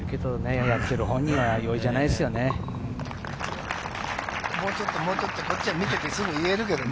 やっている本人は容易じゃないですよね。